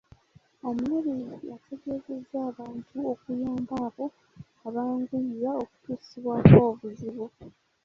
Omulabirizi ategeezezza abantu okuyamba abo abanguyirwa okutuusibwako obuzibu .